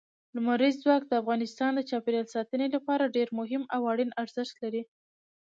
لمریز ځواک د افغانستان د چاپیریال ساتنې لپاره ډېر مهم او اړین ارزښت لري.